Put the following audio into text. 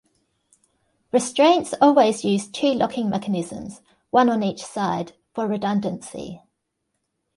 Restraints always use two locking mechanisms, one on each side, for redundancy.